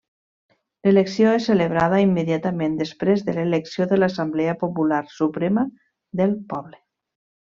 L'elecció és celebrada immediatament després de l'elecció de l'Assemblea Popular Suprema del Poble.